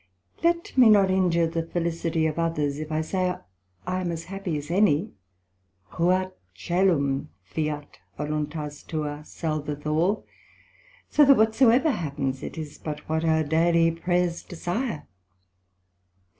Let me not injure the felicity of others, if I say I am as happy as any: Ruat cœlum, Fiat voluntas tua, salveth all; so that whatsoever happens, it is but what our daily prayers desire.